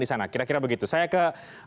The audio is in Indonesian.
di sana kira kira begitu saya ke